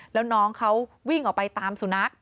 แล้วน้องเขาวิ่งออกไปตามสุนัข